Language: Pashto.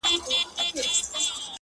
جهاني زه هم لکه شمع سوځېدل مي زده دي!.